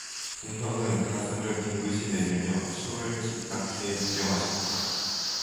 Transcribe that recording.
동혁은 가슴을 봉긋이 내밀며 숨을 깊닿게 들여마셨다.